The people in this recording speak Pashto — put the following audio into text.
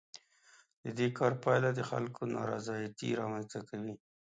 د دې کار پایله د خلکو نارضایتي رامنځ ته کوي.